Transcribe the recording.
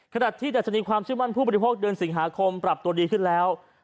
ขณะที่ดัชนีความเชื่อมั่นผู้บริโภคเดือนสิงหาคมปรับตัวดีขึ้นแล้ว